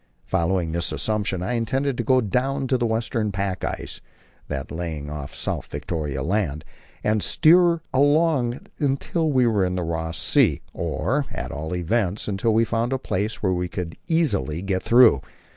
Following this assumption, I intended to go down to the western pack ice (that lying off South Victoria Land) and steer along it till we were in Ross Sea, or, at all events, until we found a place where we could easily get through.